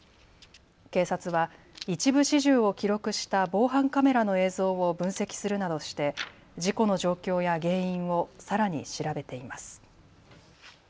警察は一部始終を記録した防犯カメラの映像を分析するなどして事故の状況や原因をさらに調べています。